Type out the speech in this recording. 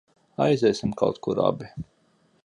Aiziesim kaut kur abi?